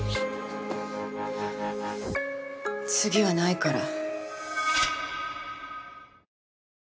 次はないから。